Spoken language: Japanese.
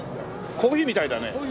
コーヒーみたいですね。